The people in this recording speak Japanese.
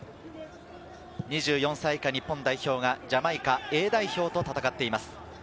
２４歳以下日本代表がジャマイカＡ代表と戦っています。